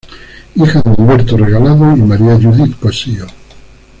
Hija de Humberto Regalado y Maria Judith Cossío.